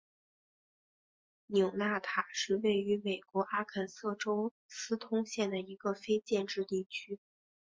纽纳塔是位于美国阿肯色州斯通县的一个非建制地区。